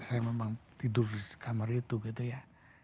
saya memang tidur di kamar itu gitu ya